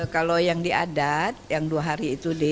kalau yang diadat yang dua hari itu d